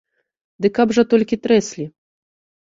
Ды каб жа толькі трэслі.